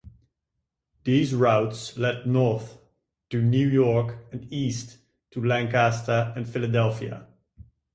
These routes led north to New York and east to Lancaster and Philadelphia.